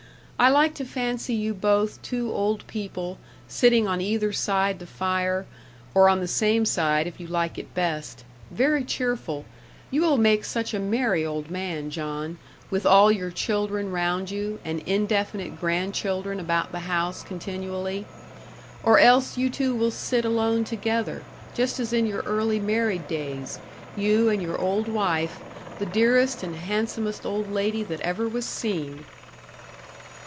I like to fancy you both two old people, sitting on either side the fire or on the same side if you like it best; very cheerful you will make such a merry old man, John, with all your children round you, and indefinite grandchildren about the house continually. Or else you two will sit alone together, just as in your early married days you and your old wife the dearest and handsomest old lady that ever was seen."